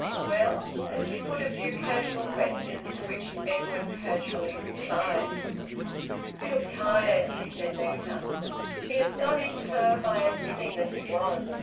Well?" and she put a few casual questions, to which Edwin casually replied. "You look tired," she said later. He astonished her by admitting that he was.